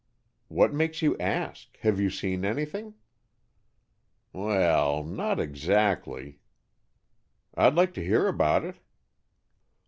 "What makes you ask? Have you seen anything?" "Well, not exactly, " "I'd like to hear about it."